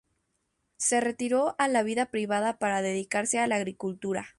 Se retiró a la vida privada para dedicarse a la agricultura.